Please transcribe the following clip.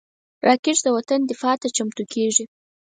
راکټ د وطن دفاع ته چمتو کېږي